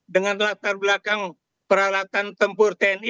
dengan latar belakang peralatan tempur tni